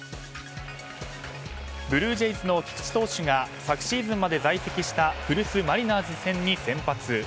ブルージェイズの菊池投手が昨シーズンまで在籍した古巣マリナーズ戦に先発。